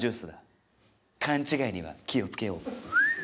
勘違いには気を付けよう。